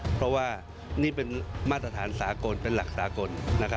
เพราะว่านี่เป็นมาตรฐานสากลเป็นหลักสากล